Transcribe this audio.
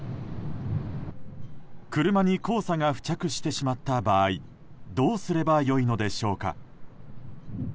車に黄砂が付着してしまった場合どうすれば良いのでしょうか。